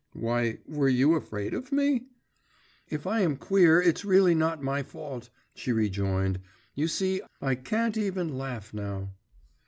'Why, were you afraid of me?' 'If I am queer, it's really not my fault,' she rejoined. 'You see, I can't even laugh now.